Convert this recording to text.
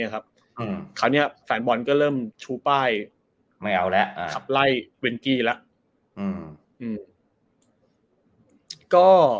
คราวนี้แฟนบอลก็เริ่มชูป้ายไม่เอาแล้วขับไล่เวนกี้แล้ว